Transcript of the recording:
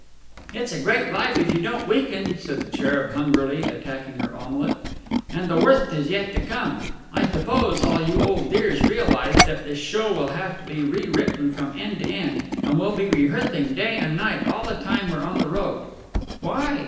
"It's a great life if you don't weaken," said the Cherub hungrily attacking her omelette. "And the wortht is yet to come! I thuppose all you old dears realithe that this show will have to be rewritten from end to end, and we'll be rehearthing day and night all the time we're on the road." "Why?"